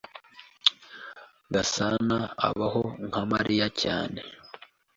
Gasana abaho nka Mariya cyane.